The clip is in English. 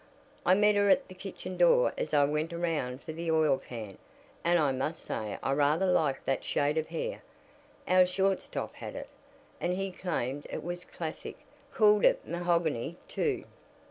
"I met her at the kitchen door as I went around for the oil can. And I must say I rather like that shade of hair. Our shortstop had it, and he claimed it was classic called it mahogany, too."